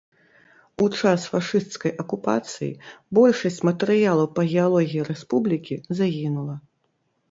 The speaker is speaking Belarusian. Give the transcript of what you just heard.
У час фашысцкай акупацыі большасць матэрыялаў па геалогіі рэспублікі загінула.